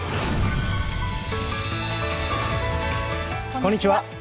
こんにちは。